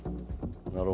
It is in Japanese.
なるほど。